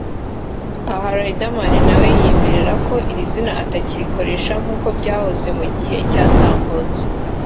Aha Riderman nawe yiyemerera ko iri zina atakirikoresha nkuko byahoze mu gihe cyatambutse